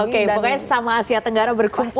oke pokoknya sama asia tenggara berkumpul